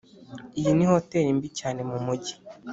iyi ni hoteri mbi cyane mumujyi.